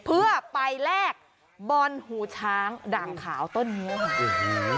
เพื่อไปแลกบอนหูช้างดั่งขาวต้นเนื้อ